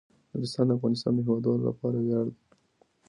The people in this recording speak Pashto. نورستان د افغانستان د هیوادوالو لپاره ویاړ دی.